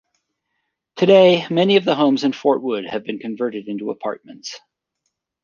Today, many of the homes in Fort Wood have been converted into apartments.